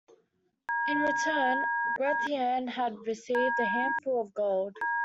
In return, Gratianne had received a handful of gold.